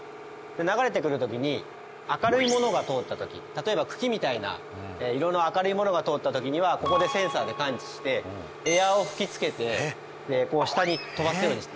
流れてくる時に明るいものが通った時例えば茎みたいな色の明るいものが通った時にはここでセンサーで感知してエアを吹きつけて下に飛ばすようにして。